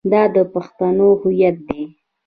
دا د پښتنو هویت دی.